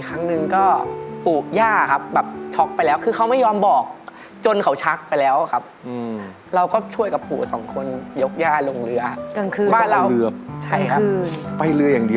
เขาจะไม่ยอมบอกว่าเป็นอะไร